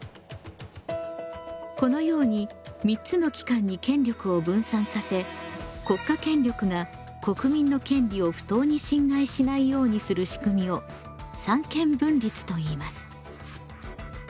このように３つの機関に権力を分散させ国家権力が国民の権利を不当に侵害しないようにするしくみを三権分立といいます。